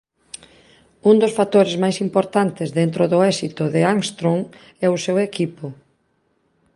Un dos factores máis importantes dentro do éxito de Armstrong é o seu equipo.